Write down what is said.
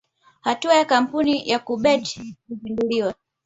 Hatua ya kampuni ya kumi bet kuzinduliwa